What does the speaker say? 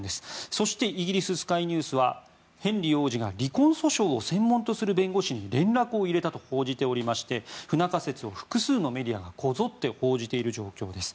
そしてイギリススカイニュースはヘンリー王子が離婚訴訟を専門とする弁護士に連絡を入れたと報じていまして不仲説を複数のメディアがこぞって報じている状況です。